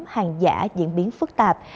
hàng giả diễn biến phức tạp